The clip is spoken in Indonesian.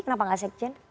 kenapa nggak sekjen